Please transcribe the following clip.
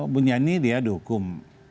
bunyani dia dihukum